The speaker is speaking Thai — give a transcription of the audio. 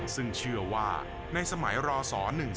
ซึ่งเชื่อว่าในสมัยรศ๑๔